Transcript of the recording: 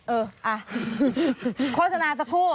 เออโฆษณาสักคู่